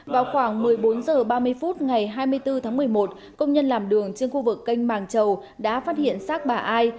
vào khoảng một mươi bốn h ba mươi phút ngày hai mươi bốn tháng một mươi một công nhân làm đường trên khu vực kênh màng chầu đã phát hiện xác bà ai